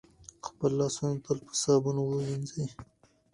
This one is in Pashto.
خپل لاسونه تل په صابون وینځئ.